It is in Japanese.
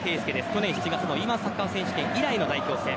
去年７月Ｅ‐１サッカー選手権以来の代表戦。